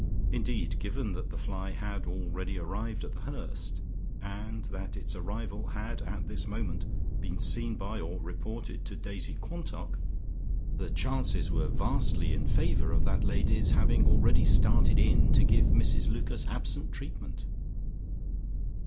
Indeed, given that the fly had already arrived at The Hurst, and that its arrival had at this moment been seen by or reported to Daisy Quantock, the chances were vastly in favour of that lady's having already started in to give Mrs Lucas absent treatment.